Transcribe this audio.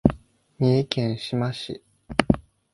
三重県志摩市